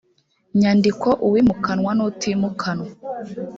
nyandiko uwimukanwa n utimukanwa